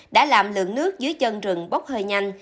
đã làm lượng nước dưới chân rừng bốc hơi nhanh